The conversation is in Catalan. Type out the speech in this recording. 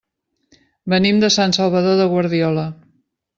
Venim de Sant Salvador de Guardiola.